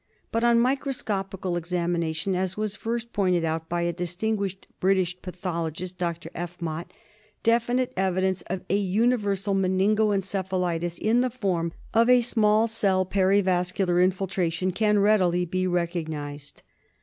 But on microscopical examination, as was first pointed out by a distinguished British pathologist, Dr. F. Mott, definite evidence of a universal meningo encephalitis, in the form of a small cell perivas cular intiltratioa, can readily be recognised.